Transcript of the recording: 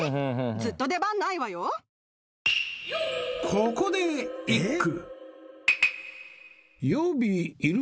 ［ここで一句］